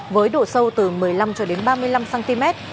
với độ sâu từ một mươi năm ba mươi năm cm